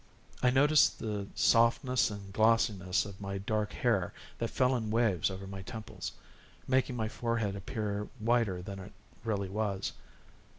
I noticed the softness and glossiness of my dark hair that fell in waves over my temples, making my forehead appear whiter than it really was.